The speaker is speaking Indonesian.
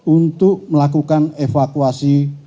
untuk melakukan evakuasi